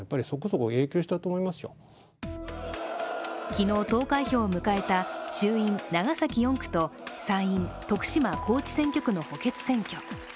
昨日、投開票を迎えた衆院・長崎４区と参院徳島・高知選挙区の補欠選挙。